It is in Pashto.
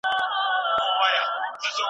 چنار به ولې سر لوړ نه کا